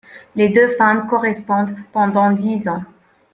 Les deux femmes correspondent pendant dix ans.